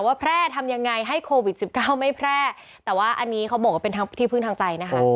แพร่ทำยังไงให้โควิด๑๙ไม่แพร่แต่ว่าอันนี้เขาบอกว่าเป็นทั้งที่พึ่งทางใจนะคะ